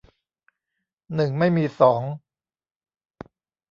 หนึ่งไม่มีสอง